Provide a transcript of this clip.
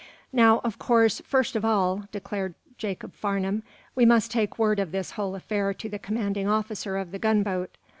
"Now, of course, first of all," declared Jacob Farnum, "we must take word of this whole affair to the commanding officer of the gunboat.